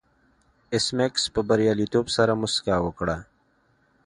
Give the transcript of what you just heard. ایس میکس په بریالیتوب سره موسکا وکړه